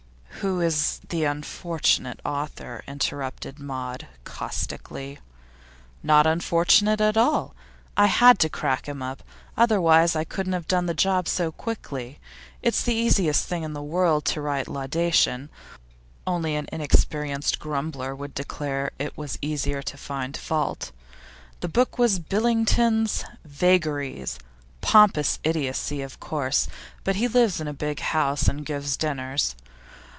'Who is the unfortunate author?' interrupted Maud, caustically. 'Not unfortunate at all. I had to crack him up; otherwise I couldn't have done the job so quickly. It's the easiest thing in the world to write laudation; only an inexperienced grumbler would declare it was easier to find fault. The book was Billington's "Vagaries"; pompous idiocy, of course, but he lives in a big house and gives dinners.